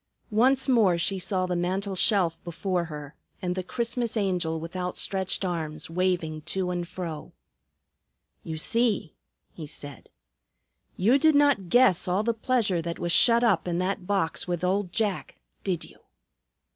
Once more she saw the mantel shelf before her and the Christmas Angel with outstretched arms waving to and fro. "You see!" he said. "You did not guess all the pleasure that was shut up in that box with old Jack, did you?"